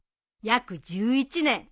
約１１年。